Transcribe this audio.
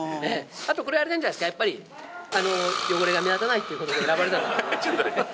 あとこれ、あれなんじゃないですか、やっぱり、汚れが目立たないということで選ばれたんでしょうね。